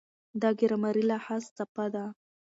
دا ګرامري لحاظ څپه ده.